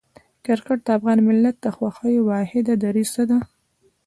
کرکټ د افغان ملت د خوښۍ واحده دریڅه ده.